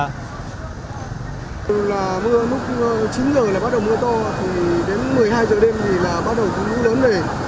mưa mức chín giờ là bắt đầu mưa to đến một mươi hai giờ đêm thì bắt đầu lũ lớn về